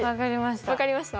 分かりました。